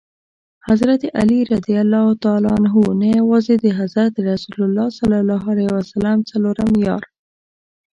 حضرت علي رض نه یوازي د حضرت رسول ص څلورم یار.